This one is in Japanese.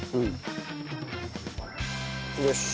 よし。